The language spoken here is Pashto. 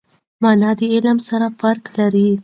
مانا د علم سره فرق لري.